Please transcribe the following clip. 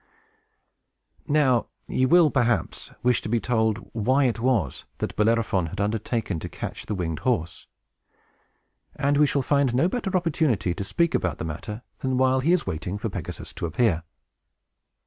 Now you will, perhaps, wish to be told why it was that Bellerophon had undertaken to catch the winged horse. And we shall find no better opportunity to speak about this matter than while he is waiting for Pegasus to appear.